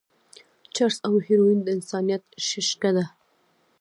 چرس او هيروين د انسانيت شېشکه ده.